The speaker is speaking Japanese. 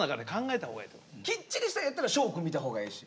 きっちりしたいんやったら翔くん見たほうがええし。